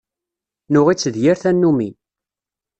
Nuɣ-itt d yir tannumi.